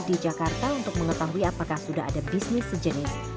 di jakarta untuk mengetahui apakah sudah ada bisnis sejenis